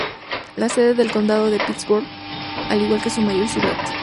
La sede del condado es Pittsburg, al igual que su mayor ciudad.